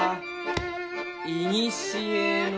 「いにしへの」。